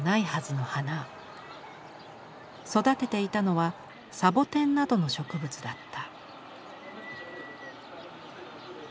育てていたのはサボテンなどの植物だった。